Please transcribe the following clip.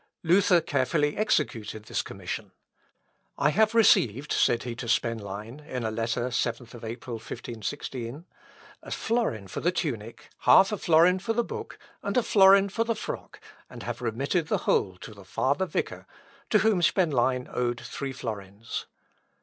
Luther carefully executed this commission. "I have received," said he to Spenlein, in a letter, 7th April 1516, "a florin for the tunic, half a florin for the book, and a florin for the frock, and have remitted the whole to the father vicar," to whom Spenlein owed three florins.